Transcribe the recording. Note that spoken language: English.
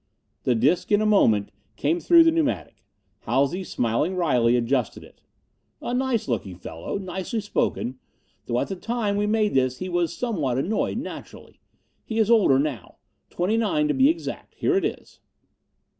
The disc in a moment came through the pneumatic. Halsey, smiling wryly, adjusted it. "A nice looking fellow. Nicely spoken. Though at the time we made this he was somewhat annoyed, naturally. He is older now. Twenty nine, to be exact. Here he is."